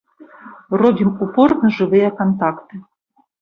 Робім упор на жывыя кантакты.